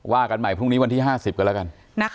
กันใหม่พรุ่งนี้วันที่๕๐กันแล้วกัน